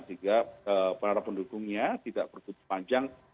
sehingga para pendukungnya tidak bertuju panjang